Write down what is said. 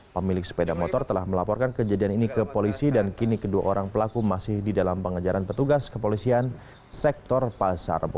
pemilik sepeda motor telah melaporkan kejadian ini ke polisi dan kini kedua orang pelaku masih di dalam pengejaran petugas kepolisian sektor pasar